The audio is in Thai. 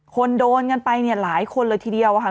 คนโดนกันไปเนี่ยหลายคนเลยทีเดียวค่ะ